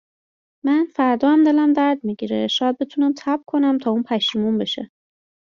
من فردا هم دلم درد میگیره شاید بتونم تب کنم تا اون پشیمون بشه